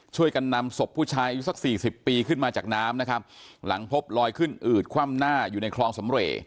ช่วยกันนำศพผู้ชายอายุสักสี่สิบปีขึ้นมาจากน้ำนะครับหลังพบลอยขึ้นอืดคว่ำหน้าอยู่ในคลองสำเร